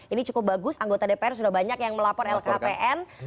ini cukup bagus anggota dpr sudah banyak yang melapor lhkpn